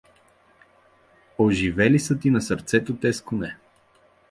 Оживели са ти на сърцето тез коне!